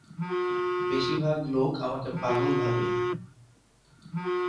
বেশীভাগ লোক আমাকে পাগল ভাবে।